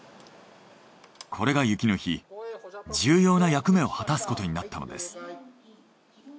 これが雪の日重要な役目を果たすことになったのです。